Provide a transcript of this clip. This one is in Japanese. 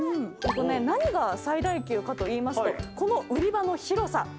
何が最大級かといいますとこの売り場の広さ。